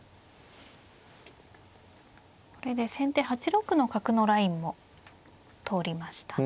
これで先手８六の角のラインも通りましたね。